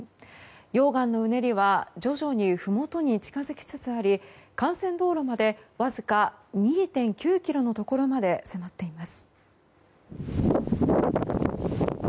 溶岩のうねりは徐々にふもとに近づきつつあり幹線道路までわずか２．９ｋｍのところまで迫っています。